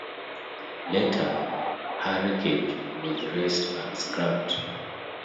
Later, her wreckage was raised and scrapped.